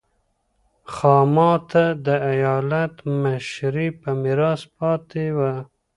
خاما ته د ایالت مشري په میراث پاتې وه.